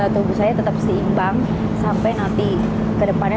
tubuh saya tetap setimbang sampai nanti ke depannya